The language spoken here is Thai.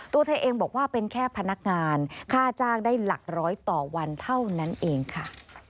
ตัวเธอเองบอกว่าเป็นแค่พนักงานค่าจ้างได้หลักร้อยต่อวันเท่านั้นเองค่ะ